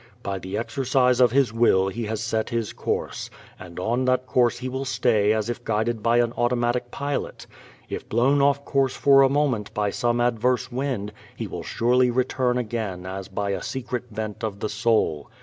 By the exercise of his will he has set his course, and on that course he will stay as if guided by an automatic pilot. If blown off course for a moment by some adverse wind he will surely return again as by a secret bent of the soul.